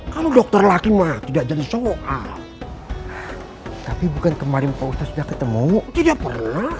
kalau dokter laki mah tidak jadi soal